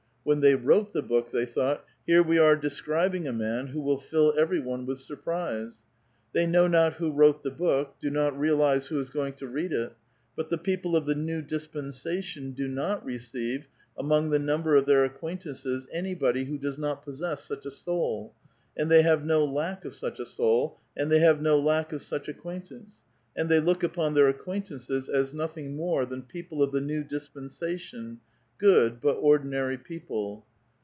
When they wrote the book the}' thought, " Here we are describing a man who will fill ever}'^ one with surprise;" They know not who wrote the book, do not realize who is going to read it ; but the people of the new dispensation do not receive among the number of their acquaintances anybody who does not possess such a soul, and they have no lack of snclf a soul, and they have no lack of such acquaint ance, and they look upon their acquaintances as nothing more than people of the new dispensation, good, but ordi nary people.